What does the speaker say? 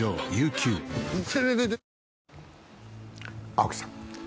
青木さん。